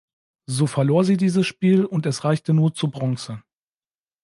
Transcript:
So verlor sie dieses Spiel und es reichte nur zu Bronze.